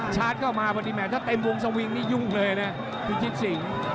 ชาร์จเข้ามาพอดีแม่ถ้าเต็มวงสวิงนี่ยุ่งเลยนะพิชิตสิง